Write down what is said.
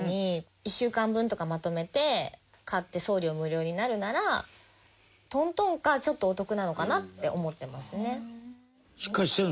１週間分とかまとめて買って送料無料になるならトントンかちょっとお得なのかなって思ってますね。